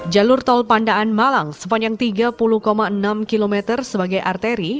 jalur tol pandaan malang sepanjang tiga puluh enam km sebagai arteri